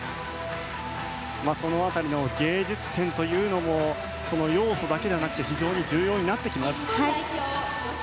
その辺りの芸術点というのも要素だけではなくて非常に重要になってきます。